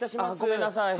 ごめんなさい。